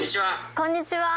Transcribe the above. こんにちは。